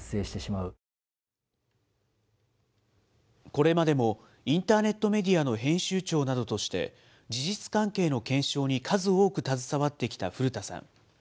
これまでも、インターネットメディアの編集長などとして、事実関係の検証に数多く携わってきた古田さん。